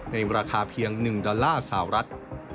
ในราคาเพียง๑ดอลลาร์สาวรัฐ